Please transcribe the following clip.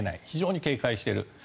非常に警戒している。